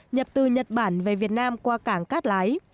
nhập từ nhật bản về việt nam qua cảng cát lái